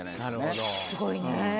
すごいね。